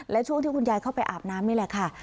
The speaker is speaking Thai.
และช่วงที่คุณยายเข้าไปอาบน้ำนี่แหละค่ะ